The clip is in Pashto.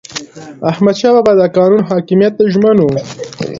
احمدشاه بابا د قانون حاکمیت ته ژمن و.